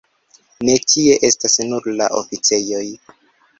Ne, tie estas nur la oficejoj.